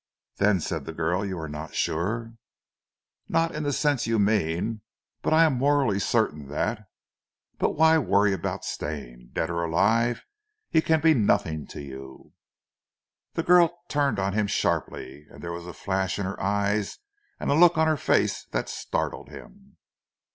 "Then," said the girl, "you are not sure?" "No, not in the sense you mean; but I am morally certain that but why worry about Stane? Dead or alive he can be nothing to you." The girl turned to him sharply, and there was a flash in her eyes and a look on her face that startled him.